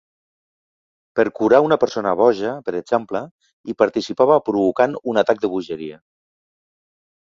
Per curar una persona boja, per exemple, hi participava provocant un atac de bogeria.